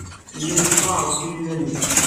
Yella yefqeɛ ɣef yiman-is.